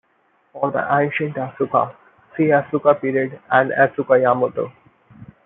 For the ancient Asuka, see Asuka period and Asuka, Yamato.